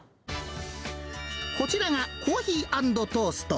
こちらが、コーヒーアンドトースト。